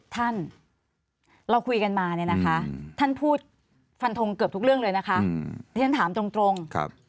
ท่านเราคุยกันมาท่านพูดฟันทงเกือบทุกเรื่องเลยที่ท่านถามตรง